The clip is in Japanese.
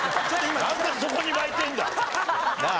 なんでそこに巻いてるんだなあ。